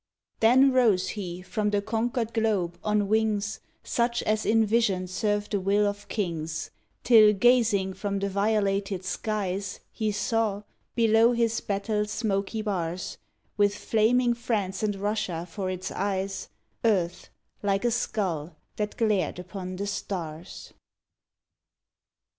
Then rose he from the conquered globe on wings Such as in vision serve the will of kings, Till gazing from the violated skies He saw, below his battles smoky bars, With flaming France and Russia for its eyes, Earth like a skull that glared upon the stars.